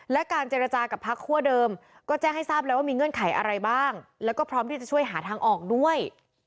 และการเจรจากับพักคั่วเดิมก็แจ้งให้ทราบแล้วว่ามีเงื่อนไขอะไรบ้างแล้วก็พร้อมที่จะช่วยหาทางออกด้วย